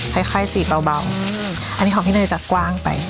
ค่อยค่อยจีบเบาเบาอืมอันนี้ของพี่เนยจะกว้างไป